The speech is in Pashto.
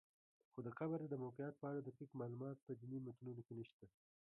خو د قبر د موقعیت په اړه دقیق معلومات په دیني متونو کې نشته.